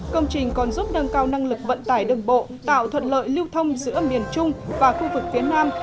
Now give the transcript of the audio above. công trình còn giúp nâng cao năng lực vận tải đường bộ tạo thuận lợi lưu thông giữa miền trung và khu vực phía nam